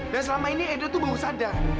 dan selama ini edo tuh baru sadar